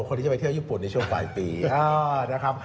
คนที่จะไปเที่ยวญี่ปุ่นในช่วงปลายปีนะครับ